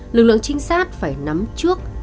lực lượng trinh sát phải nắm trước